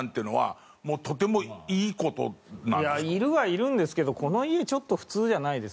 いるはいるんですけどこの家ちょっと普通じゃないです。